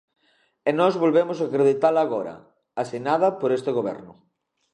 E nós volvemos acreditala agora, asinada por este goberno.